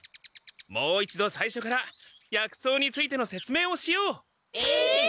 もう一度さいしょから薬草についてのせつめいをしよう！え！？